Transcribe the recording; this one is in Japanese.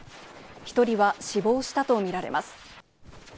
１人は死亡したと見られます。